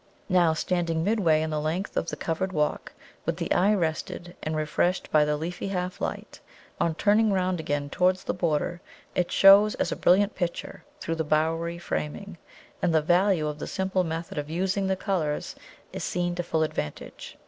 Now, standing midway in the length of the covered walk, with the eye rested and refreshed by the leafy half light, on turning round again towards the border it shows as a brilliant picture through the bowery framing, and the value of the simple method of using the colours is seen to full advantage.